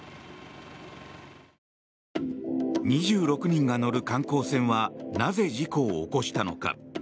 ２６人が乗る観光船はなぜ事故を起こしたのか。